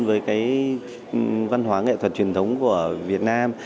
với cái văn hóa nghệ thuật truyền thống của việt nam